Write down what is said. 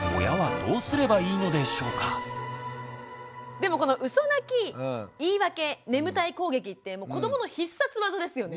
でもこのうそ泣き言い訳眠たい攻撃って子どもの必殺技ですよね。